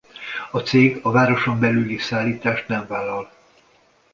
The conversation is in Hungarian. A cég a városon belüli szállítást nem vállal.